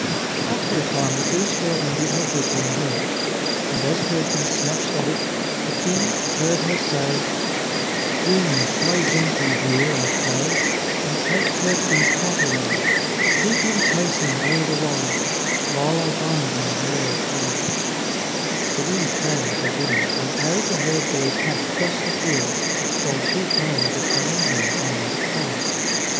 After a time the goose girl undid her glittering hair; and as Curdken snatched at it, the King heard her say: "Wind, blow gently here, I pray, And take Curdken's hat away. Keep him chasing o'er the wold, While I bind my hair of gold." The wind came at her bidding, and carried the herd boy's hat across the fields; while she combed the shining hair and made it fast.